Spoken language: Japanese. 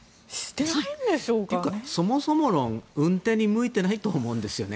というか、そもそも論運転に向いてないと思うんですね。